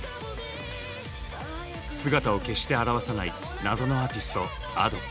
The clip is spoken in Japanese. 姿を決して現さない謎のアーティストＡｄｏ。